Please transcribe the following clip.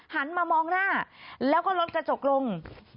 หันมามองหน้าแล้วก็รถกระจกลง